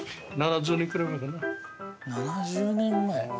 ７０年前。